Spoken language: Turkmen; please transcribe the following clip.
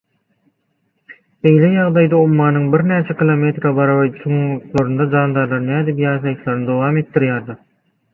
Beýle ýagdaýda ummanyň birnäçe kilometre barabar çuňluklaryndaky jandarlar nädip ýaşaýyşlaryny dowam etdirýärler?